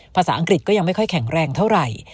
ภาษาอังกฤษก็ยังไม่ค่อยแข็งแรงเท่าไหร่